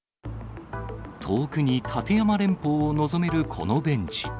遠くに立山連峰を望めるこのベンチ。